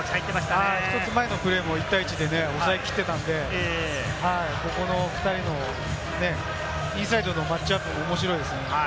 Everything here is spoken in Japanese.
一つ前のプレーも１対１でおさえきってたので、ここの２人のね、インサイドのマッチアップ、面白いですね。